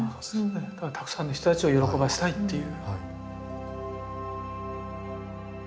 たくさんの人たちを喜ばせたいという。